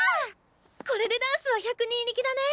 これでダンスは百人力だね！